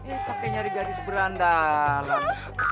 eh pakai nyari gadis berandalan